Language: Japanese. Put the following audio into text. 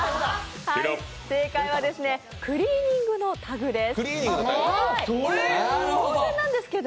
正解はクリーニングのタグです。